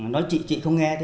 nói chị chị không nghe